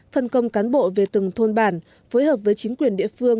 phân công cán bộ về từng thôn bản phối hợp với chính quyền địa phương